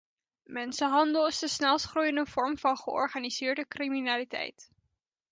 Mensenhandel is de snelst groeiende vorm van georganiseerde criminaliteit.